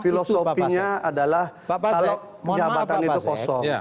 filosofinya adalah kalau jabatan itu kosong